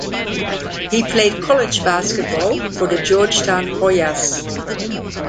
He played college basketball for the Georgetown Hoyas.